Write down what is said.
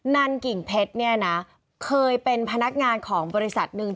ันกิ่งเพชรเนี่ยนะเคยเป็นพนักงานของบริษัทหนึ่ง